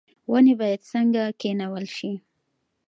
ونې باید څنګه کینول شي؟